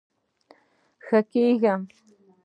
ښه کیږم